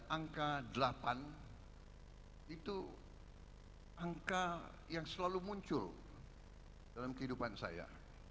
angka delapan itu angka yang selalu muncul dalam kehidupan saya